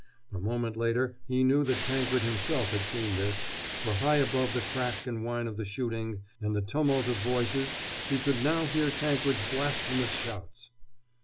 A moment later he knew that Tankred himself had seen this, for high above the crack and whine of the shooting and the tumult of voices he could now hear Tankred's blasphemous shouts.